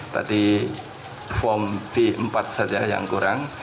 tadi form b empat saja yang kurang